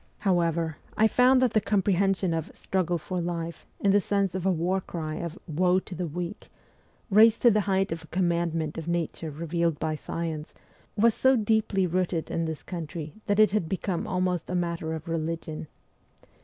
However, I found that the compre hension of ' struggle for life ' in the sense of a war cry of 'Woe to the weak,' raised to the height of a commandment of nature revealed by science, was so deeply inrooted in this country that it had become 318 MEMOIRS OF A REVOLUTIONIST almost a matter of religion.